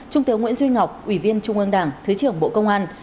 trung tướng nguyễn duy ngọc ủy viên trung ương đảng thứ trưởng bộ công an